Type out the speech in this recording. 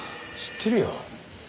知ってるよ。